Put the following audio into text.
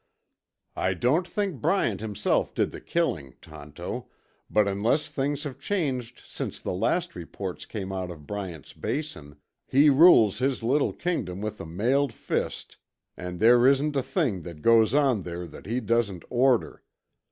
"I don't think Bryant himself did the killing, Tonto, but unless things have changed since the last reports came out of Bryant's Basin, he rules his little kingdom with a mailed fist and there isn't a thing that goes on there that he doesn't order.